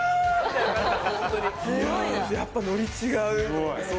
やっぱノリ違う。